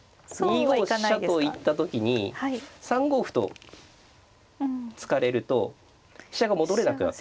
２五飛車と行った時に３五歩と突かれると飛車が戻れなくなる。